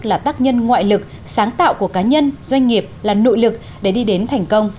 là tác nhân ngoại lực sáng tạo của cá nhân doanh nghiệp là nội lực để đi đến thành công